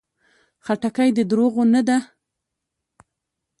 خټکی د دروغو نه ده.